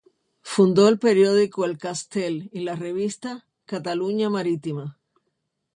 Fundó el periódico "El Castell" y la revista "Cataluña Marítima".